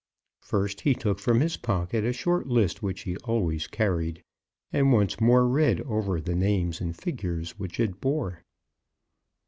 First he took from his pocket a short list which he always carried, and once more read over the names and figures which it bore.